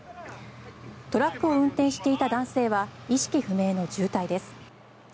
トラックを運転していた男性は意識不明の重体です。